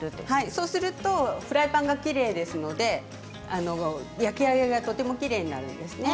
そうするとフライパンがきれいですので焼き上げがとてもきれいになりますね。